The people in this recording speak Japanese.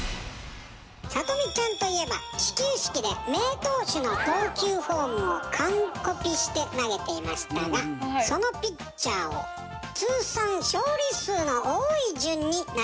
さとみちゃんといえば始球式で名投手の投球フォームを完コピして投げていましたがそのピッチャーを通算勝利数の多い順にならべて下さい。